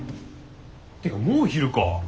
てかもう昼か。